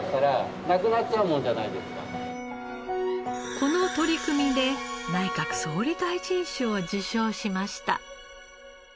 この取り組みで内閣総理大臣賞を受賞しました。